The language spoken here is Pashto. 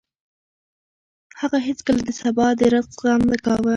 هغه هېڅکله د سبا د رزق غم نه کاوه.